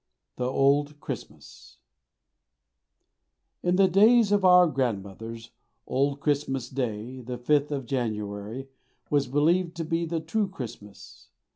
THE OLD CHRISTMAS In the days of our grandmothers, Old Christmas Day, the fifth of January, was believed to be the true Christmas.